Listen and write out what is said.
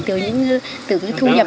từ những thu nhập